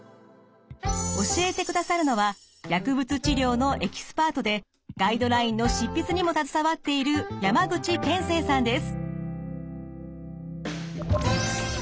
教えてくださるのは薬物治療のエキスパートでガイドラインの執筆にも携わっている山口研成さんです。